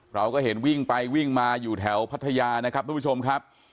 เราก็เห็นวิ่งไปวิ่งมาอยู่แถวพัทยานะครับทุกผู้ชมครับ